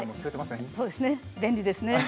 そうですね、便利ですね